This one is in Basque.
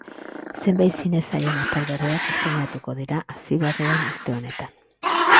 Zenbait zine sailen atal berriak estreinatuko dira hasi berri den urte honetan.